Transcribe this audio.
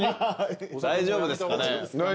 大丈夫ですかね。